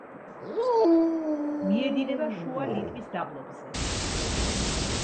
მიედინება შუა ლიტვის დაბლობზე.